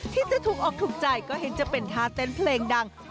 ที่จะถูกออกถูกใจก็เห็นจะเป็นท่าเต้นเพลงดัง